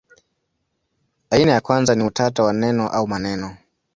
Aina ya kwanza ni utata wa neno au maneno.